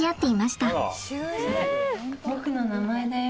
ボクの名前だよ。